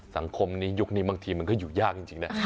สังคมนี้ยุคนี้บางทีมันก็อยู่ยากจริงนะ